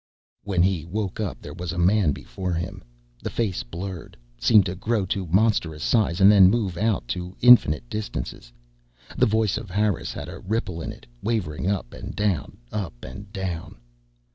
When he woke up, there was a man before him. The face blurred, seemed to grow to monstrous size and then move out to infinite distances. The voice of Harris had a ripple in it, wavering up and down, up and down.